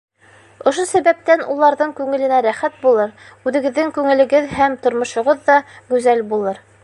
Ошо сәбәптән уларҙың күңеленә рәхәт булыр, үҙегеҙҙең күңелегеҙ һәм тормошоғоҙ ҙа гүзәл булыр.